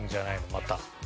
また。